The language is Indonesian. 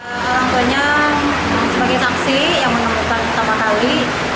orang tuanya sebagai saksi yang menemukan pertama kali